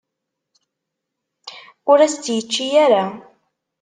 Ur as-tt-yečči ara.